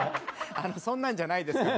そんなんじゃないですから。